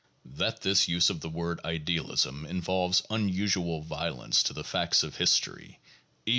That this use of the word idealism involves unusual violence to the facts of history, e.